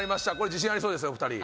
自信ありそうですねお二人。